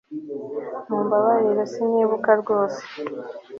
Mumbabarire sinibuka rwose